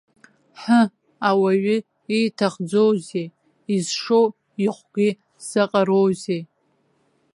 Ҳы, ауаҩы ииҭахӡоузеи, изшоу ихәгьы заҟароузеи!